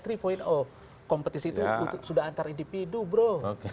kompetisi itu sudah antar individu bro